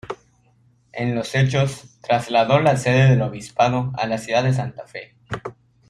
En los hechos, trasladó la sede del obispado a la ciudad de Santa Fe.